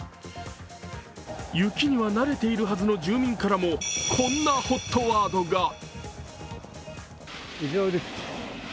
雪には慣れているはずの住民からもこんなＨＯＴワードが。